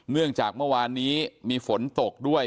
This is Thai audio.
เนื่องจากเมื่อวานนี้มีฝนตกด้วย